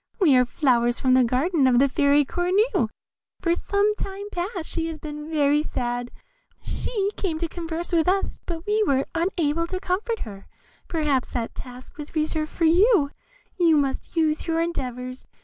We are flowers from the garden of the Fairy Cornue; for some time past she has been very sad; she came to converse with us, but we were unable to comfort her; perhaps that task was reserved for you; you must use your endeavours.